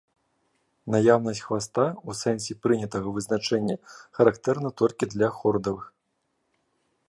Наяўнасць хваста у сэнсе прынятага вызначэння характэрна толькі для хордавых.